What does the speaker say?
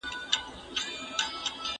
زه به سبا سپينکۍ پرېولم.